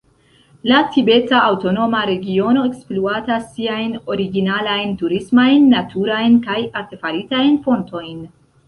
La Tibeta Aŭtonoma Regiono ekspluatas siajn originalajn turismajn naturajn kaj artefaritajn fontojn.